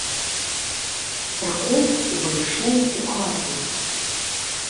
Пракоп увайшоў у хату.